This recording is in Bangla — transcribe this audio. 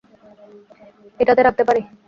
এটাতে রাখতে পারি?